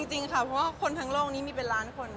จริงค่ะเพราะว่าคนทั้งโลกนี้มีเป็นล้านคน